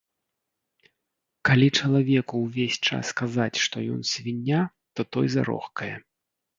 Калі чалавеку ўвесь час казаць, што ён свіння, то той зарохкае.